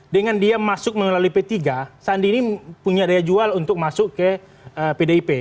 dengan dia masuk melalui p tiga sandi ini punya daya jual untuk masuk ke pdip